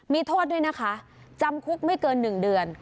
มีโทษด้วยนะคะจำคุกไม่เกิน๑เดือน